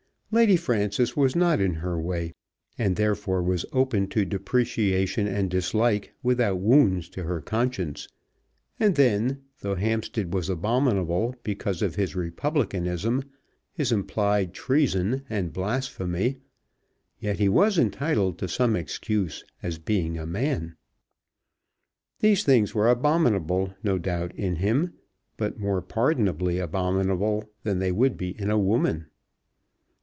Lady Frances was not in her way, and therefore was open to depreciation and dislike without wounds to her conscience; and then, though Hampstead was abominable because of his Republicanism, his implied treason, and blasphemy, yet he was entitled to some excuse as being a man. These things were abominable no doubt in him, but more pardonably abominable than they would be in a woman.